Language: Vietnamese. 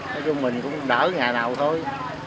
nói chung mình cũng đỡ ngày nào thôi